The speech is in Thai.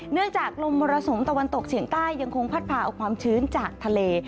จากลมมรสุมตะวันตกเฉียงใต้ยังคงพัดพาเอาความชื้นจากทะเล